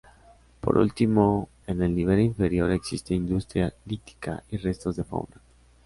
Por último, en el nivel inferior existe industria lítica y restos de fauna.